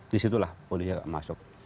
di situlah polisi masuk